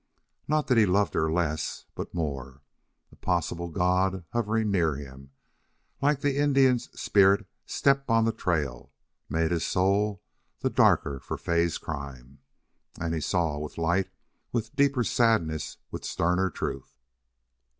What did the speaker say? Not that he loved her less, but more! A possible God hovering near him, like the Indian's spirit step on the trail, made his soul the darker for Fay's crime, and he saw with light, with deeper sadness, with sterner truth.